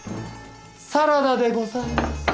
サラダでございます。